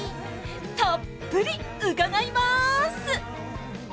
たっぷり伺います！